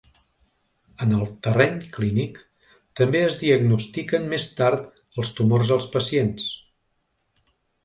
En el terreny clínic, també es diagnostiquen més tard els tumors als pacients.